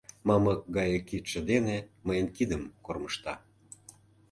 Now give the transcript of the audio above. Мамык гае кидше дене мыйын кидым кормыжта.